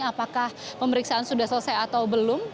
apakah pemeriksaan sudah selesai atau belum